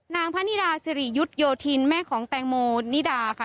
พระนิดาสิริยุทธโยธินแม่ของแตงโมนิดาค่ะ